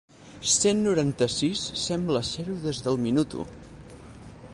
Cent noranta-sis sembla ser-ho des del minut u.